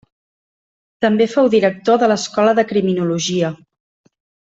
També fou director de l'Escola de Criminologia.